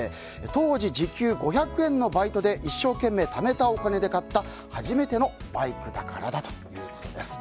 当時、時給５００円のバイトで一生懸命ためたお金で買った初めてのバイクだからだということです。